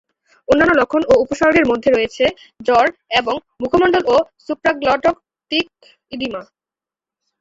অন্যান্য লক্ষণ ও উপসর্গের মধ্যে রয়েছে জ্বর এবং মুখমন্ডল ও সুপ্রাগ্লটটিক ইডিমা।